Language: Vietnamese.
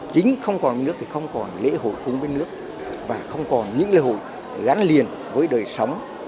chính không còn nước thì không còn lễ hội cùng với nước và không còn những lễ hội gắn liền với đời sống